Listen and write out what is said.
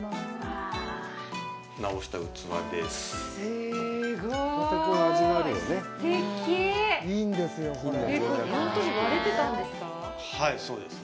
直した器です。